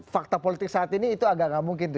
fakta politik saat ini itu agak tidak mungkin